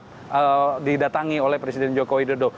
dan itu adalah yang ingin disasar oleh presiden jokowi dodo